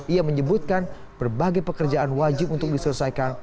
ia menyebutkan berbagai pekerjaan wajib untuk diselesaikan